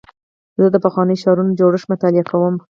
زه د پخوانیو ښارونو جوړښت مطالعه کوم.